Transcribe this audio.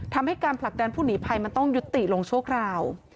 ทำให้การผลักดันผู้หนีภัยมันต้องยุติลงชั่วคราว